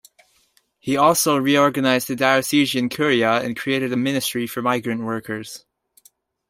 He also reorganized the diocesan curia and created a ministry for migrant workers.